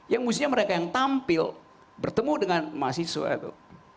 yang mestinya mereka yang tampil bertemu dengan mahasiswa itu